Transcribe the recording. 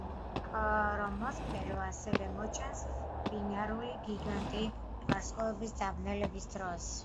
ქრომოსფერო ასევე მოჩანს ბინარული გიგანტი ვარსკვლავების დაბნელების დროს.